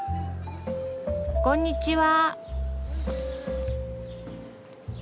こんにちは。